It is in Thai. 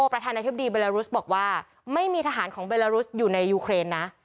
ประธานาธิบดีเบลารุสบอกว่าไม่มีทหารของเบลารุสอยู่ในยูเครนนะ